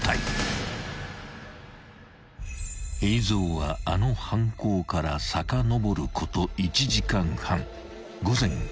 ［映像はあの犯行からさかのぼること１時間半］